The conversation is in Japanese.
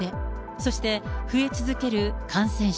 そして増え続ける感染者。